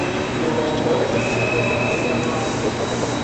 কিন্তু বিশ্বাস করো, একটা সময় আসবে যখন তোমার শক্তির দরকার পড়বে।